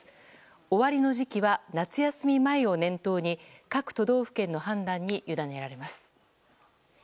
終わりの時期は夏休み前を念頭に各都道府県の判断にゆだねられます。